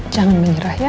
jangan menyerah ya